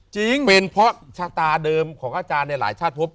จริงเป็นเพราะชะตาเดิมของอาจารย์ในหลายชาติพบ